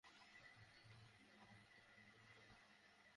শোভাযাত্রাটি ক্যাম্পাসের বিভিন্ন সড়ক প্রদক্ষিণ শেষে বিভাগের সামনে এসে শেষ হয়।